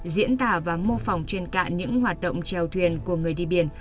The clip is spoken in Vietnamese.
diễn tả và mô phỏng trên cạn những hoạt động treo thuyền của người đi biển